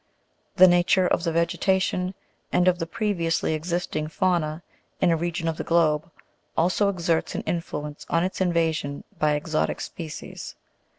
The nature of the vegetation, and of the previously existing fauna, in a region of the globe, also exerts an influence on its invasion by exotic species.